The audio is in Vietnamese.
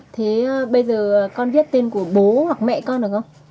thế bây giờ con viết tin của bố hoặc mẹ con được không